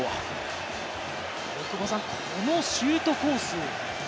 このシュートコース。